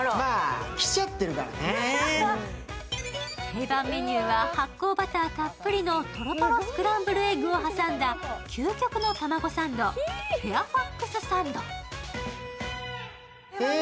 定番メニューは発酵バターたっぷりのとろとろスクランブルエッグを挟んだ究極の卵サンド、フェアファックスサンド。